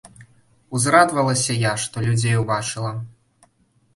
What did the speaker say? Узрадавалася я, што людзей убачыла.